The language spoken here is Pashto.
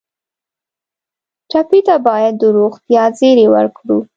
ټپي ته باید د روغتیا زېری ورکړو.